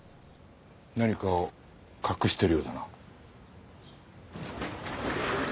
何かを隠しているようだな。